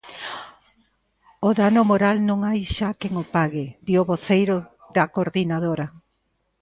O dano moral non hai xa quen o pague, di o voceiro da Coordinadora.